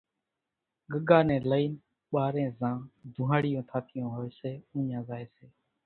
ڳڳا نين لئي ٻارين زان ڌونۿاڙيون ٿاتيون ھوئي سي اُوڃان زائي سي